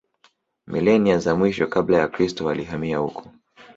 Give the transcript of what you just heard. Milenia za mwisho Kabla ya Kristo walihamia huko